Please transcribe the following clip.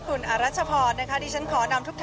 พาคุณผู้ชมไปติดตามบรรยากาศกันที่วัดอรุณราชวรรมมหาวิหารค่ะ